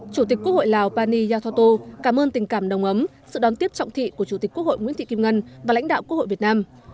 chủ tịch quốc hội lào pani yathoto cảm ơn tình cảm đồng ấm sự đón tiếp trọng thị của chủ tịch quốc hội nguyễn thị kim ngân và lãnh đạo quốc hội việt nam